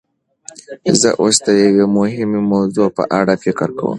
زه اوس د یوې مهمې موضوع په اړه فکر کوم.